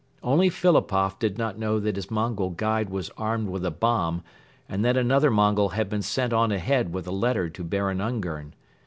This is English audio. Only Philipoff did not know that his Mongol guide was armed with a bomb and that another Mongol had been sent on ahead with a letter to Baron Ungern.